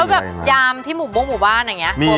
แล้วแบบยามที่หมู่บ้วงหมู่บ้านแบบเนี่ย